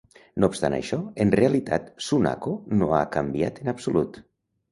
No obstant això, en realitat Sunako no ha canviat en absolut.